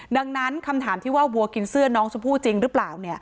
ดังนั้นคำถามที่ว่าวัวกินเสื้อน้องชมพู่จริงหรือเปล่า